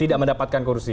tidak mendapatkan kursi